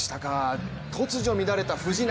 突如乱れた藤浪。